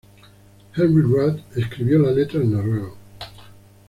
Henry Ruud escribió la letra en noruego.